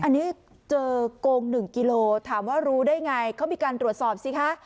อันนี้เจอโกง๑กิโลถามว่ารู้ได้ไงเขามีการตรวจสอบสิคะ